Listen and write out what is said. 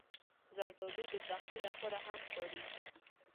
زردالو د پخلي لپاره هم کارېږي.